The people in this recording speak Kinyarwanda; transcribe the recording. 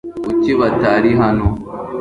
kuki batari hano